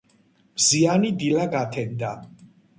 მზიანი დილა გათენდა.